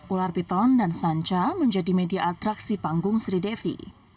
ular piton dan sanca menjadi media atraksi panggung sri devi